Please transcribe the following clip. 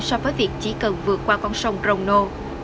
so với việc chỉ cần vượt qua con sông crono